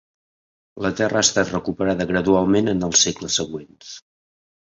La terra ha estat recuperada gradualment en els segles següents.